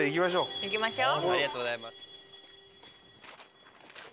滝沢：行きましょう。